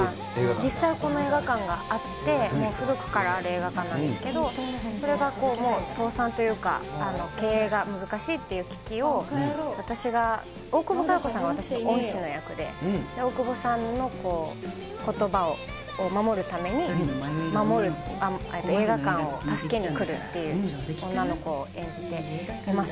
実際この映画館があって、もう古くからある映画館なんですけど、それがもう倒産というか、経営が難しいっていう危機を、私が、大久保佳代子さんが私の恩師の役で、大久保さんのことばを守るために、守る、映画館を助けに来るっていう女の子を演じています。